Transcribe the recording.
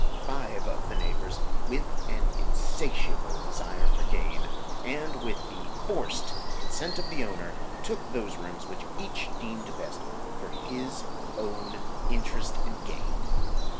Five of the neighbors, with an insatiable desire for gain, and with the forced consent of the owner, took those rooms which each deemed best for his own interest and gain.